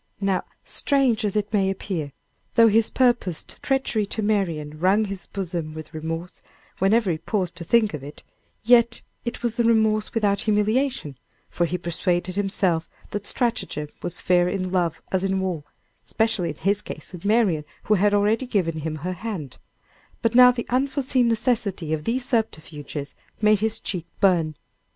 Now, strange as it may appear, though his purposed treachery to Marian wrung his bosom with remorse whenever he paused to think of it, yet it was the remorse without humiliation; for he persuaded himself that stratagem was fair in love as in war, especially in his case with Marian, who had already given him her hand; but now the unforseen necessity of these subterfuges made his cheek burn.